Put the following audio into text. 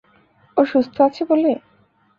ও সুস্থ আছে বলে?